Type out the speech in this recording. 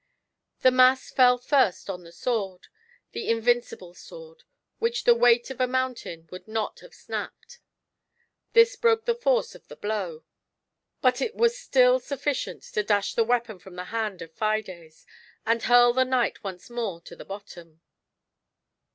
The mass feU first on the sword — the invincible sword, which the weight of a mountain would not have snapped. This broke the force of the blow ; but it was still sufficient to dash the weapon from the hand of Fides, and hurl the knight once more to the bottom.